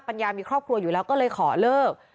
ัญญามีครอบครัวอยู่แล้วก็เลยขอเลิก